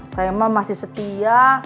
saya emang masih setia